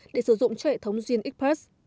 để sử dụng cho hệ thống genexpert